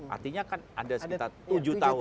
artinya kan ada sekitar tujuh tahun